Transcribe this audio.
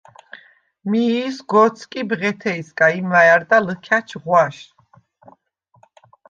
მიი სგო̄თსკი ბღეთეჲსგა, იმვა̈ჲ არდა ლჷქა̈ჩ ღვაშ.